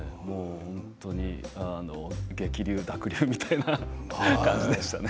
本当に激流、濁流みたいな感じでしたね。